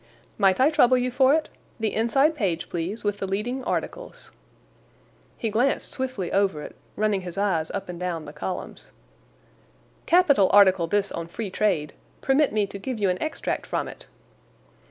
"Might I trouble you for it—the inside page, please, with the leading articles?" He glanced swiftly over it, running his eyes up and down the columns. "Capital article this on free trade. Permit me to give you an extract from it.